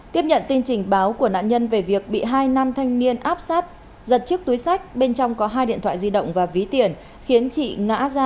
tiếp nhận tin trình báo của nạn nhân về việc bị hai nam thanh niên áp sát giật chiếc túi sách bên trong có hai điện thoại di động và ví tiền khiến chị ngã ra